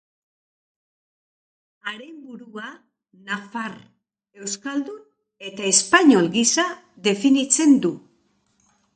Haren burua nafar, euskaldun eta espainol gisa definitzen du.